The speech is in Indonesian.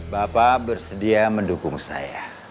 bapak bersedia mendukung saya